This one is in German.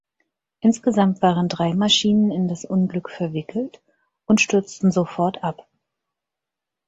Insgesamt waren drei Maschinen in das Unglück verwickelt und stürzten sofort ab.